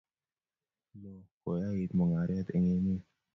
loo, koyait mungaret eng emet